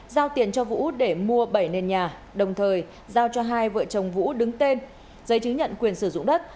giao tiền cho vũ để mua bảy nền nhà đồng thời giao cho hai vợ chồng vũ đứng tên giấy chứng nhận quyền sử dụng đất